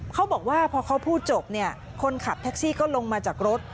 เขาบอกว่าพอเขาพูดจบเนี่ยคนขับแท็กซี่ก็ลงมาจากรถ